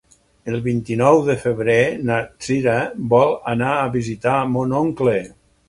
El vint-i-nou de febrer na Cira vol anar a visitar mon oncle.